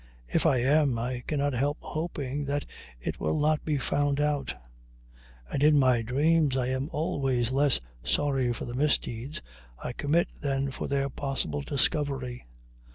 If I am, I cannot help hoping that it will not be found out; and in my dreams I am always less sorry for the misdeeds I commit than for their possible discovery.